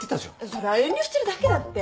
そりゃ遠慮してるだけだって。